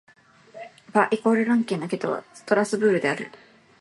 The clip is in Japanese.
バ＝ラン県の県都はストラスブールである